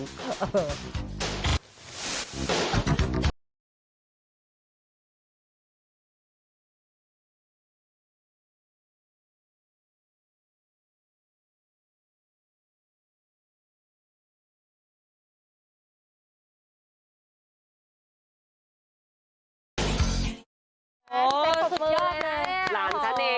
อ๋อสุดยอดเลย